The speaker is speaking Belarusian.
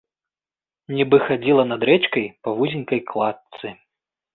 Нібы хадзіла над рэчкай па вузенькай кладцы.